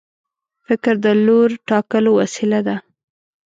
فکر د لور ټاکلو وسیله ده.